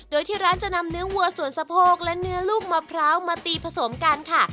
โดยที่ร้านจะนำเนื้อวัวส่วนสะโพกและเนื้อลูกมะพร้าวมาตีผสมกันค่ะ